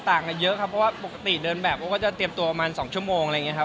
ต่างกันเยอะครับเพราะว่าปกติเดินแบบเขาก็จะเตรียมตัวประมาณ๒ชั่วโมงอะไรอย่างนี้ครับ